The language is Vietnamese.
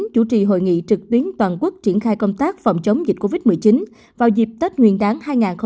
chủ trì hội nghị trực tuyến toàn quốc triển khai công tác phòng chống dịch covid một mươi chín vào dịp tết nguyên đáng hai nghìn hai mươi